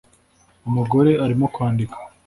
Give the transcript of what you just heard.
Umugore arimo kwandika